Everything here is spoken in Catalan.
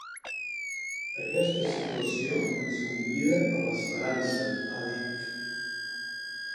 Aquesta situació ens convida a l’esperança, ha dit.